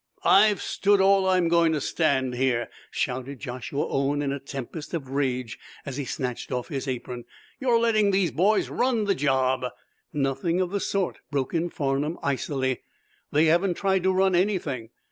"I've stood all I'm going to stand here," shouted Joshua Owen, in a tempest of rage, as he snatched off his apron. "You're letting these boys run the job " "Nothing of the sort," broke in Farnum, icily. "They haven't tried to run anything.